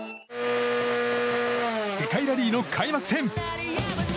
世界ラリーの開幕戦。